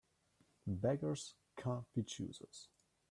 Beggars can't be choosers.